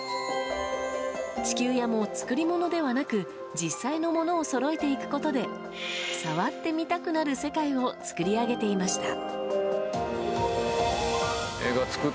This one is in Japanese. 地球屋も、作り物ではなく実際のものをそろえていくことで触ってみたくなる世界を作り上げていました。